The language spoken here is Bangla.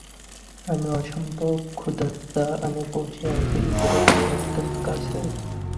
আমি অসম্ভব ক্ষুধার্তা আমি বসে আছি ইঁদুরের গর্তের কাছে।